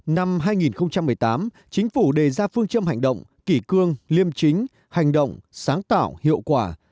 năm hai nghìn một mươi tám chính phủ đề ra phương châm hành động kỷ cương liêm chính hành động sáng tạo hiệu quả